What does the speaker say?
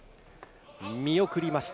見送りました。